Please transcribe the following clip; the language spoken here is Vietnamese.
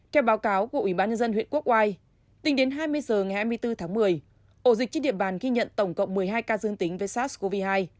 theo báo cáo của ủy ban nhân dân huyện quốc oai tính đến hai mươi h ngày hai mươi bốn tháng một mươi ổ dịch trên địa bàn ghi nhận tổng cộng một mươi hai ca dương tính với sars cov hai